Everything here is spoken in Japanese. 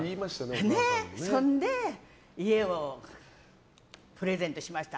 それで家をプレゼントしました。